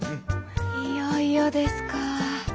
いよいよですかぁ。